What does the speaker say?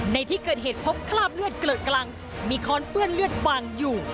ในที่เกิดเหตุพบคราบเลือดเกลอะกรังมีค้อนเปื้อนเลือดวางอยู่